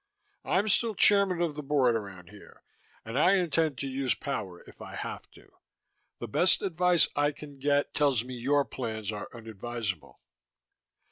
I'm still Chairman of the Board around here, and I intend to use power if I have to. The best advice I can get tells me your plans are unadvisable.